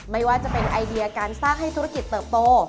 ไม่ว่าจะเป็นไอเดียการสร้างให้ธุรกิจเติบโต